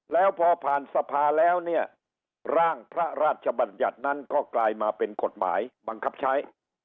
แล้วพอผ่านสภาแล้วเนี่ยร่างพระราชบัญญัตินั้นก็กลายมาเป็นกฎหมายบังคับใช้